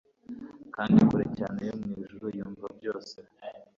kandi kure cyane yo mwijuru yumva byose